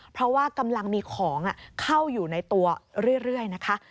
เพราะว่ากำลังมีของเข้าอยู่ในตัวเรื่อยนะคะ